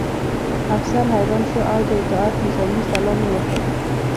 افسر حیران شو او د اطاعت نظامي سلام یې وکړ